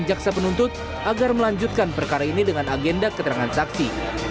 jaksa penuntut agar melanjutkan perkara ini dengan agenda keterangan saksi